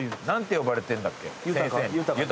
何て呼ばれてんだっけ？